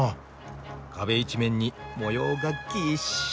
壁一面に模様がぎっしり。